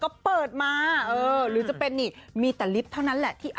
คือใบเฟิร์นเขาเป็นคนที่อยู่กับใครก็ได้ค่ะแล้วก็ตลกด้วย